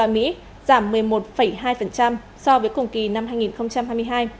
giảm một mươi một hai so với cùng kỳ năm hai nghìn hai mươi hai